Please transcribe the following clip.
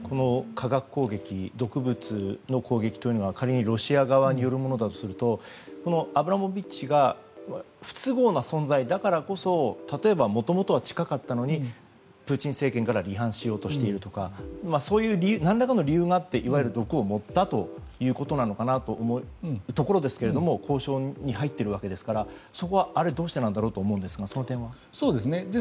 化学攻撃毒物の攻撃というのは仮にロシア側によるものだとするとアブラモビッチ氏が不都合な存在だからこそ例えば、もともとは近かったのにプーチン政権から離反しようとしているとかそういう何らかの理由があって毒を盛ったということなのかなと思うところですけれども交渉に入っているわけですからそこは、どうしてなんだろうと思うんですがその点は？